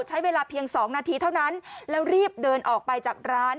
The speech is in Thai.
ใช้เวลาเพียง๒นาทีเท่านั้นแล้วรีบเดินออกไปจากร้าน